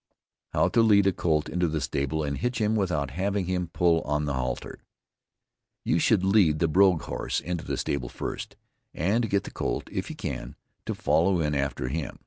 HOW TO LEAD A COLT INTO THE STABLE AND HITCH HIM WITHOUT HAVING HIM PULL ON THE HALTER. You should lead the broke horse into the stable first, and get the colt, if you can, to follow in after him.